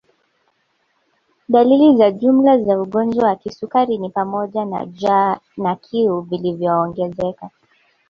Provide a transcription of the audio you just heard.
Dalili za jumla za ugonjwa wa kisukari ni pamoja na jaa na kiu viliyoongezeka